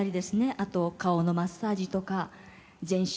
あと顔のマッサージとか全身